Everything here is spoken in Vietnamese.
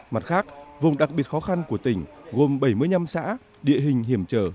mặt khác vùng đặc biệt khó khăn của tỉnh gồm bảy mươi năm xã địa hình hiểm trở